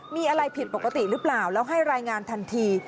มีอะไรผิดปกติหรือเปล่าแล้วให้รายงานทันที